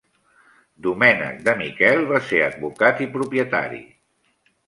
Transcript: Domènec de Miquel va ser advocat i propietari.